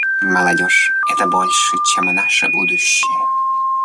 Молодежь — это больше, чем наше будущее.